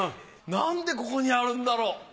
なんでここにあるんだろう。